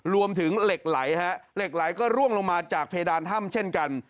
เหล็กไหลฮะเหล็กไหลก็ร่วงลงมาจากเพดานถ้ำเช่นกัน